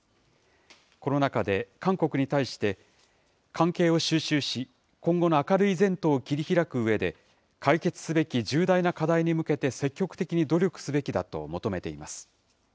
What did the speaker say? この中で韓国に対して、関係を収拾し、今後の明るい前途を切り開くうえで、解決すべき重大な課題に向けて積極的に努力すべきだと求めています。